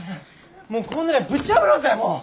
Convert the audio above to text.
もうこうなりゃぶち破ろうぜもう。